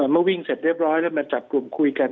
เมื่อวิ่งเสร็จเรียบร้อยแล้วมาจับกลุ่มคุยกัน